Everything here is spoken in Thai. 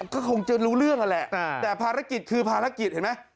แกว่าก็คงรู้เรื่องแหละแต่ภารกิจคือภารกิจเห็นไหม